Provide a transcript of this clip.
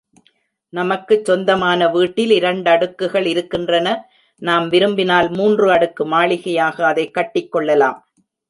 நமக்குச் சொந்தமான வீட்டில் இரண்டடுக்குகள் இருக்கின்றன நாம் விரும்பினால் மூன்று அடுக்கு மாளிகையாக அதைக் கட்டிக் கொள்ளலாம்.